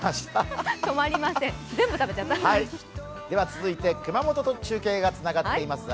続いて熊本と中継がつながっています。